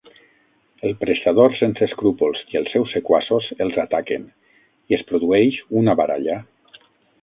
El prestador sense escrúpols i els seus sequaços els ataquen i es produeix una baralla.